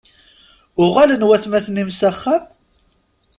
Uɣalen watmaten-im s axxam?